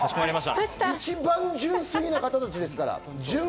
一番純粋な方たちですから。